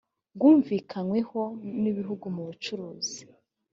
bwumvikanyweho n ibihugu mu bucuruzi